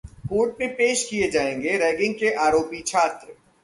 court में पेश किए जाएंगे रैंगिग के आरोपी छात्र